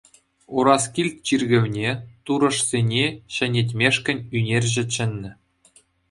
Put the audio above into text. Ураскильт чиркӗвне турӑшсене ҫӗнетмешкӗн ӳнерҫӗ чӗннӗ.